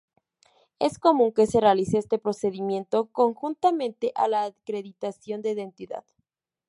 Es común que se realice este procedimiento conjuntamente a la acreditación de identidad.